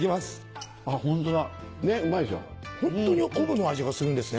ホントに昆布の味がするんですね